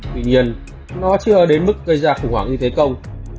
tuy nhiên nó chưa đến mức gây ra khủng hoảng như thế công